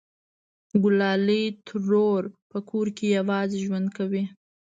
گلالۍ ترور په کور کې یوازې ژوند کوي